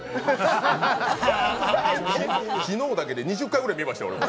昨日だけで２０回ぐらい見ましたよ、これ。